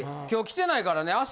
今日来てないからね